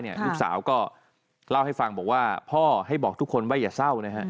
ลูกสาวก็เล่าให้ฟังบอกว่าพ่อให้บอกทุกคนว่าอย่าเศร้านะฮะ